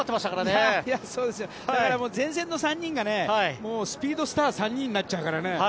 だから、前線の３人がスピードスター３人になっちゃうからね。